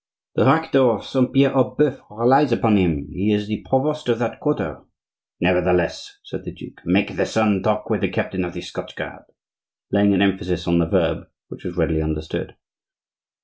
"The rector of Saint Pierre aux Boeufs relies upon him; he is the provost of that quarter." "Nevertheless," said the duke, "make the son talk with the captain of the Scotch guard," laying an emphasis on the verb which was readily understood.